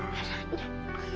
papa dapet kerja senyol